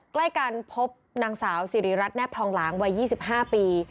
ใกล้กันพบนางสาวสิริรัตนแนบทองหลางวัย๒๕ปี